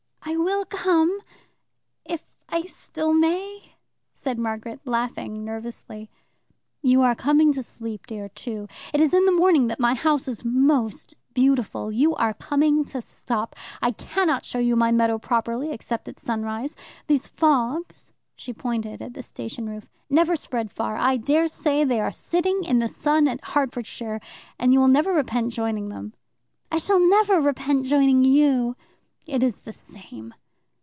"I will come if I still may," said Margaret, laughing nervously. "You are coming to sleep, dear, too. It is in the morning that my house is most beautiful. You are coming to stop. I cannot show you my meadow properly except at sunrise. These fogs" she pointed at the station roof "never spread far. I dare say they are sitting in the sun in Hertfordshire, and you will never repent joining them. "I shall never repent joining you." "It is the same."